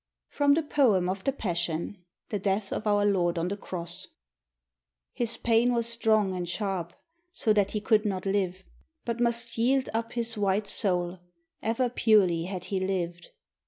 ] FROM THE 'POEM OF THE PASSION' [The Death of Our Lord on the Cross] His pain was strong and sharp, so that he could not live, But must yield up his white soul; ever purely had he lived.